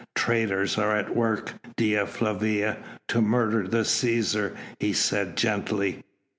"Traitors are at work, Dea Flavia, to murder the Cæsar," he said gently.